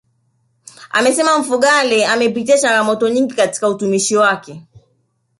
Amesema Mfugale amepitia changamoto nyingi katika utumishi wake